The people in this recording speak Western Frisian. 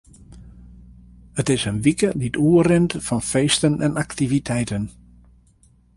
It is in wike dy't oerrint fan feesten en aktiviteiten.